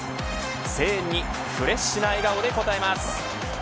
声援にフレッシュな笑顔で応えます。